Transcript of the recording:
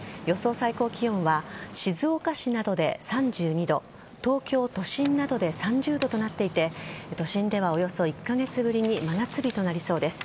最高気温は静岡市などで３２度東京都心などで３０度となっていて都心では、およそ１カ月ぶりに真夏日となりそうです。